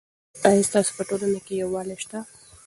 آیا ستاسو په ټولنه کې یووالی سته؟